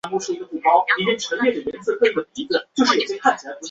他们认为犹太人所信奉的圣殿犹太教是一种世俗化了的宗教。